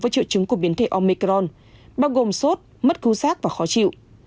với triệu chứng của biến thể omicron bao gồm sốt mất cứu sát và khó chịu